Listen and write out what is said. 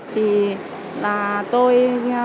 thì là tôi